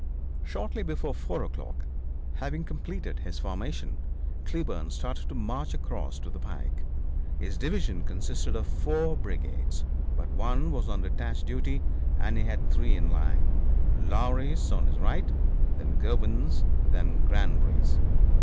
Shortly before 4 o'clock, having completed his formation, Cleburne started to march across to the pike. His division consisted of four brigades, but one was on detached duty, and he had three in line Lowrey's on his right, then Govan's, then Granbury's.